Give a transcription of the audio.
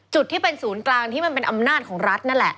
จุดที่เป็นศูนย์กลางที่มันเป็นอำนาจของรัฐนั่นแหละ